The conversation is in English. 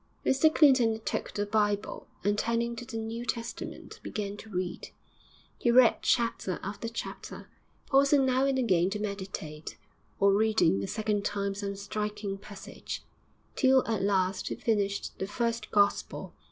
Mr Clinton took the Bible, and, turning to the New Testament, began to read. He read chapter after chapter, pausing now and again to meditate, or reading a second time some striking passage, till at last he finished the first gospel.